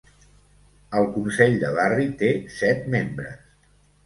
El consell de barri té set membres.